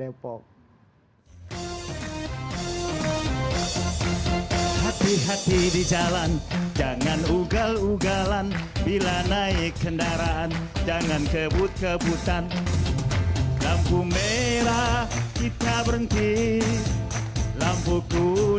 di lampu merah depok